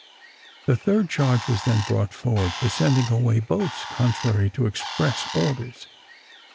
The third charge was then brought forward for sending away boats contrary to express orders.